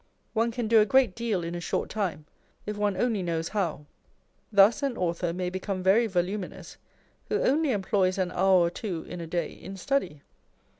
One can do a great deal in a short time if one only knowTs how. Thus an author may become very voluminous, wrho only employs an hour or two in a day in study.